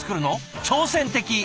挑戦的！